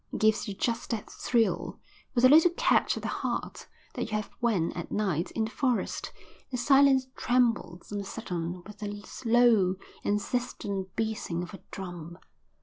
It gives you just that thrill, with a little catch at the heart, that you have when at night in the forest the silence trembles on a sudden with the low, insistent beating of a drum.